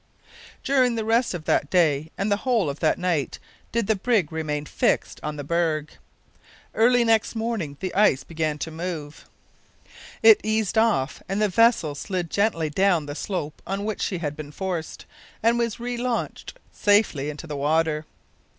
During the rest of that day and the whole of that night did the brig remain fixed on the berg. Early next morning the ice began to move. It eased off, and the vessel slid gently down the slope on which she had been forced, and was re launched safely into the water.